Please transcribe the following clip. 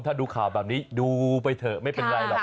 ถ้าดูข่าวแบบนี้ดูไปเถอะไม่เป็นไรหรอก